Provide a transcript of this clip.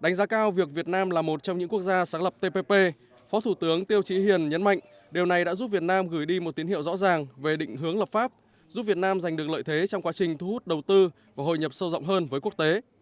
đánh giá cao việc việt nam là một trong những quốc gia sáng lập tpp phó thủ tướng tiêu trí hiền nhấn mạnh điều này đã giúp việt nam gửi đi một tín hiệu rõ ràng về định hướng lập pháp giúp việt nam giành được lợi thế trong quá trình thu hút đầu tư và hội nhập sâu rộng hơn với quốc tế